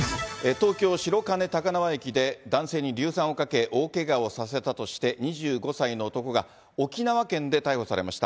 東京・白金高輪駅で男性に硫酸をかけ、大けがをさせたとして、２５歳の男が、沖縄県で逮捕されました。